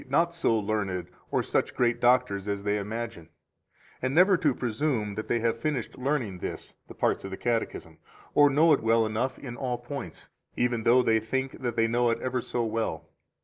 not so learned or such great doctors as they imagine; and never to presume that they have finished learning this [the parts of the Catechism], or know it well enough in all points, even though they think that they know it ever so well.